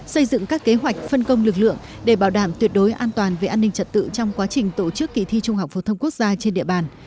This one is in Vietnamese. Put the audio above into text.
xây dựng các kế hoạch phân công lực lượng để bảo đảm tuyệt đối an toàn về an ninh trật tự trong quá trình tổ chức kỳ thi trung học phổ thông quốc gia trên địa bàn